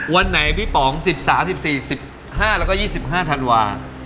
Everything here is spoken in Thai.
วันไหนพี่ป๋อง๑๓๑๔๑๕แล้วก็๒๕ธันวา